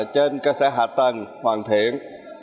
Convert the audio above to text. trên cơ sở hạ tầng hoàn thiện